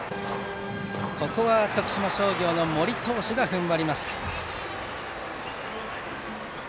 ここは徳島商業の森投手が踏ん張りました。